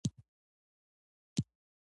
دا د میرمن مابرلي یادښت دی چې دلته پروت دی